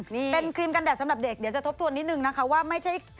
นี่เป็นครีมกันแดดสำหรับเด็กเดี๋ยวจะทบทวนนิดนึงนะคะว่าไม่ใช่